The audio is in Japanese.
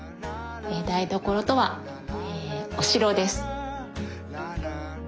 台所とはお城です。